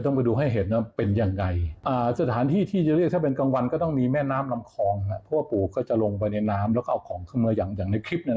ถึงดีมีแม่น้ำลำคองเพราะปูก็จะลงไปในน้ำแล้วก็เอาของขึ้นมา